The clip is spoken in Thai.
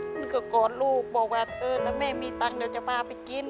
มันก็กอดลูกบอกว่าเออถ้าแม่มีตังค์เดี๋ยวจะพาไปกิน